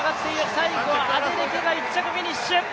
最後はアデレケが１着フィニッシュ！